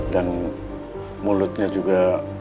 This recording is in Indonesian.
dan mulutnya juga